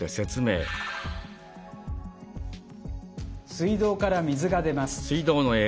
水道から水が出ます。